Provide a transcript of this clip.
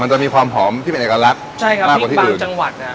มันจะมีความหอมที่เป็นเอกลักษณ์ใช่ครับพริกบางจังหวัดน่ะ